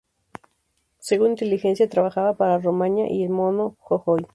Según inteligencia, trabajaba para 'Romaña' y el 'Mono Jojoy'.